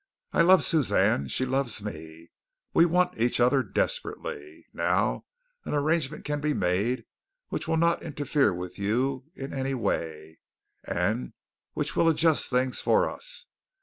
I love Suzanne. She loves me. We want each other desperately. Now, an arrangement can be made which will not interfere with you in any way, and which will adjust things for us.